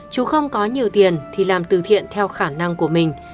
chú không có nhiều tiền thì làm từ thiện theo khả năng của mình